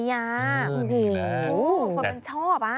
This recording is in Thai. มีแม่คุณชอบ